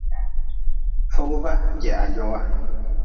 Fogʼba jeha jowa.